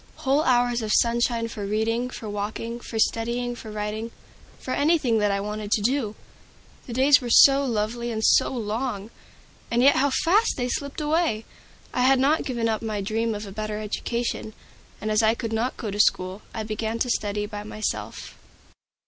Whole hours of sunshine for reading, for walking, for studying, for writing, for anything that I wanted to do! The days were so lovely and so long! and yet how fast they slipped away! I had not given up my dream of a better education, and as I could not go to school, I began to study by myself.